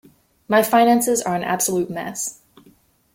My finances are an absolute mess.